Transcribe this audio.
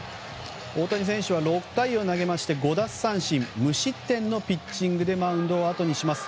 大谷選手は６回を投げまして５奪三振無失点のピッチングでマウンドをあとにします。